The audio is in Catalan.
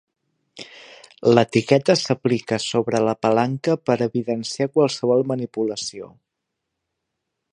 L'etiqueta s'aplica sobre la palanca per evidenciar qualsevol manipulació.